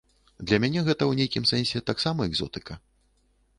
Для мяне гэта ў нейкім сэнсе таксама экзотыка.